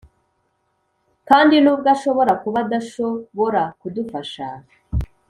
kandi nubwo ashobora kuba adashobora kudufasha,